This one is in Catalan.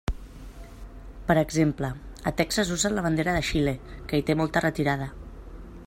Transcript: Per exemple, a Texas usen la bandera de Xile, que hi té molta retirada.